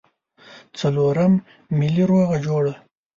څلورم ملي روغه جوړه.